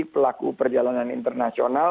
pelaku perjalanan internasional